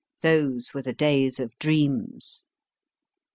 Those were the days of dreams.